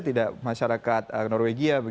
tidak masyarakat neurogia